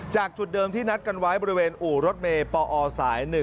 จากจุดเดิมที่นัดกันไว้บริเวณอู่รถเมย์ปอสาย๑